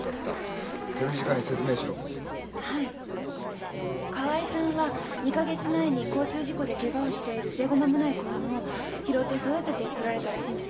え河合さんは２か月前に交通事故でケガをしている生後間もない子犬を拾って育ててこられたらしいんです。